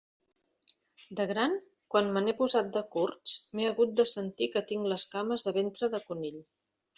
De gran, quan me n'he posat de curts, m'he hagut de sentir que tinc les cames de ventre de conill.